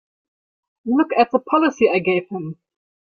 Look at the policy I gave him!